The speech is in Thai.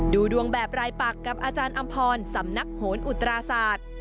ดูดวงแบบรายปักกับอาจารย์อำพรสำนักโหนอุตราศาสตร์